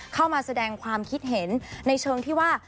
เข้ามาแสดงความคิดเห็นในเชิงที่ว่า